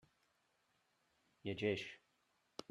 Llegeix.